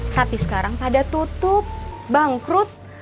tapi sekarang pada tutup bangkrut